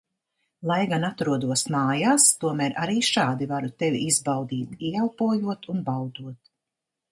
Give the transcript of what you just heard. Lai gan atrodos mājās, tomēr arī šādi varu Tevi izbaudīt, ieelpojot un baudot.